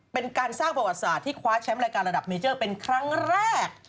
เป็นการสร้างประวัติศาสตร์ที่คว้าแชมป์รายการระดับเมเจอร์เป็นครั้งแรก